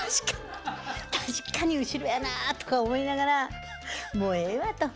確かに後ろやなとか思いながらもうええわと。